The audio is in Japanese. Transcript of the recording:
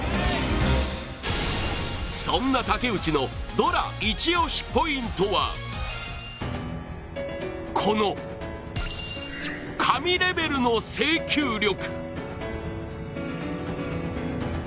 そんな武内のドラ★イチ推しポイントはこの神レベルの制球力。